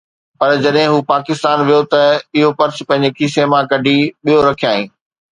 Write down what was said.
پر جڏهن هو پاڪستان ويو ته اهو پرس پنهنجي کيسي مان ڪڍي ٻيو رکيائين